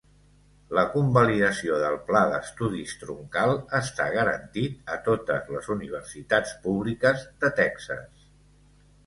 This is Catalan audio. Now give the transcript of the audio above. La convalidació del pla d'estudis troncal està garantit a totes les universitats públiques de Texas.